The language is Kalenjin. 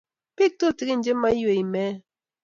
Bik tutukin che maiwei meet